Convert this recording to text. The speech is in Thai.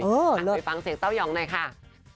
ไปฟังเสียงเต้ายองหน่อยค่ะ